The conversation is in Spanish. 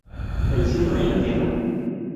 El cielo en la tierra.